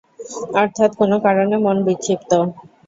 অর্থাৎ কোনো কারণে মন বিক্ষিপ্ত।